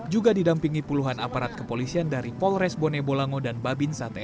juga didampingi puluhan aparat kepolisian dari polres bonegolango dan babinsa tni